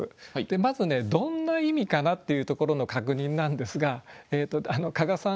まずねどんな意味かなっていうところの確認なんですが加賀さん